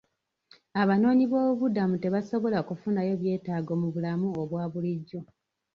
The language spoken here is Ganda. Abanoonyiboobubudamu tebasobola kufuna byetaago mu bulamu obwa bulijjo.